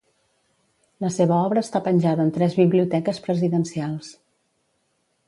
La seva obra està penjada en tres biblioteques presidencials.